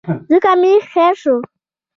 ځکه مي هېر شو .